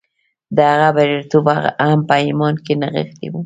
د هغه بریالیتوب هم په ایمان کې نغښتی و